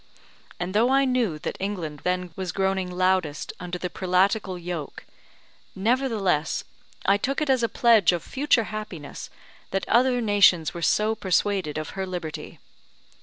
And though I knew that England then was groaning loudest under the prelatical yoke, nevertheless I took it as a pledge of future happiness, that other nations were so persuaded of her liberty.